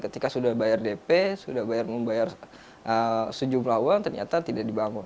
ketika sudah bayar dp sudah membayar sejumlah uang ternyata tidak dibangun